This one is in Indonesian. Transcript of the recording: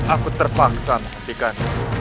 aku terpaksa nentikan